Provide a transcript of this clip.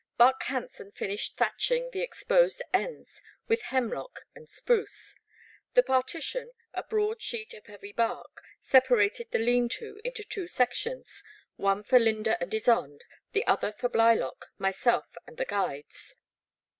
Buck Han son finished thatching the exposed ends with hemlock and spruce. The partition, a broad sheet of heavy bark, separated the lean to into two sections, one for I^ynda and Ysonde, the other for Blylock, myself, and the guides.